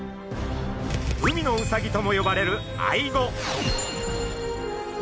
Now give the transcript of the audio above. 海のウサギとも呼ばれるアイゴ。